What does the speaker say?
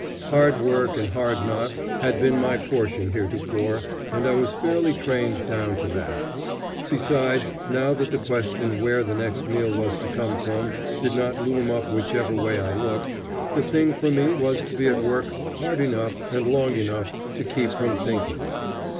Hard work and hard knocks had been my portion heretofore, and I was fairly trained down to that. Besides, now that the question where the next meal was to come from did not loom up whichever way I looked, the thing for me was to be at work hard enough and long enough to keep from thinking.